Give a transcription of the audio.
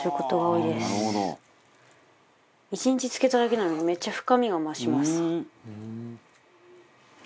１日漬けただけなのにめっちゃ深みが増します。